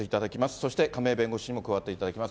そして亀井弁護士にも加わっていただきます。